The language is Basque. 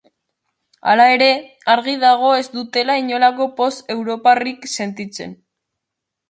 Hala ere, argi dago ez dutela inolako poz europarrik sentitzen.